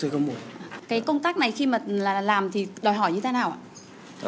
cái công tác này khi mà làm thì đòi hỏi như thế nào ạ